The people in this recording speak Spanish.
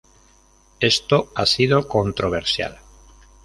Esto ha sido controversial.